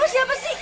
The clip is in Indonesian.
lo siapa sih